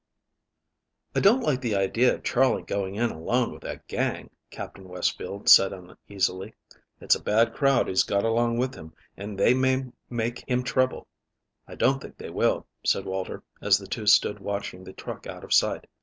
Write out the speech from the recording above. "I DON'T like the idea of Charley going in alone with that gang," Captain Westfield said uneasily. "It's a bad crowd he's got along with him, and they may make him trouble." "I don't think they will," said Walter, as the two stood watching the truck out of sight.